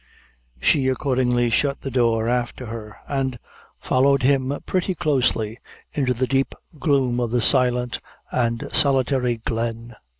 She accordingly shut the door after her, and followed him pretty closely into the deep gloom of the silent and solitary glen.